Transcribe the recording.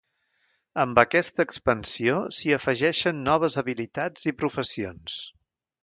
Amb aquesta expansió s'hi afegeixen noves habilitats i professions.